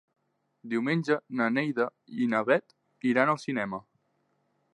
Diumenge na Neida i na Bet iran al cinema.